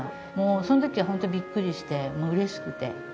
その時は本当びっくりしてもううれしくて。